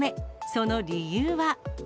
その理由は。